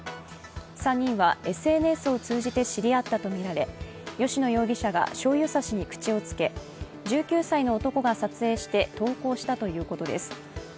３人はＳＮＳを通じて知り合ったとみられ、吉野容疑者がしょうゆ差しに口をつけ１９歳の男が撮影して投稿したということです。